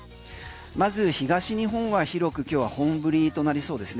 まず東日本は広く今日は本降りとなりそうですね